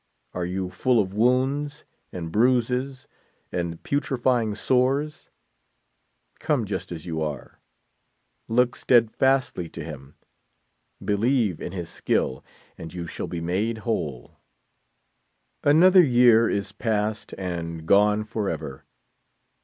Are you full of wounds, and bruises, and putrefying sores? Come just as you are. Look steadfastly to him, believe in his skill, and you shall be made whole, 44 Another year is past and gone forever.